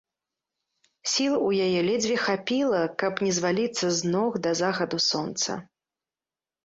Сіл у яе ледзьве хапіла, каб не зваліцца з ног да захаду сонца.